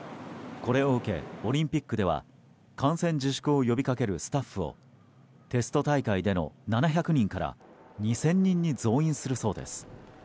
これを受け、オリンピックでは観戦自粛を呼びかけるスタッフをテスト大会での７００人から２０００人に増員するそうです。